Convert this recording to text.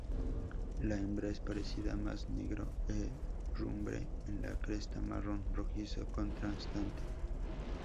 La hembra es parecida, más negro herrumbre con la cresta marrón rojizo contrastante.